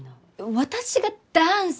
私がダンスを！？